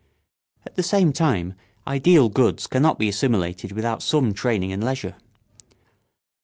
At the same time ideal goods cannot be assimilated without some training and leisure.